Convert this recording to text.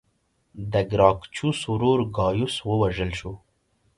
د ګراکچوس ورور ګایوس ووژل شو